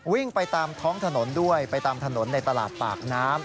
วิ่งไปตามท้องถนนด้วยไปตามถนนในตลาดปากน้ำ